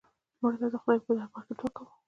مړه ته د خدای په دربار کې دعا کوو